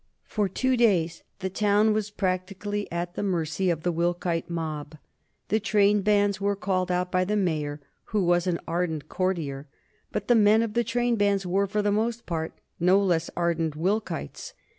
For two days the town was practically at the mercy of the Wilkite mob. The trainbands were called out by the Mayor, who was an ardent courtier, but the men of the trainbands were, for the most part, no less ardent Wilkites.